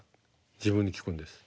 自分に聞くんです。